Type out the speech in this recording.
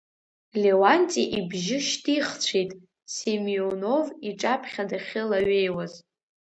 Леуанти ибжьы шьҭихцәеит, Семионов иҿаԥхьа дахьылаҩеиуаз.